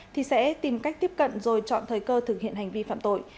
thì sẽ tìm cách tiếp cận rồi chọn thời cơ thực hiện hành vi phạm tội